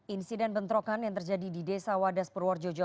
insiden bentrokan yang terjadi di desa wadas purworejojo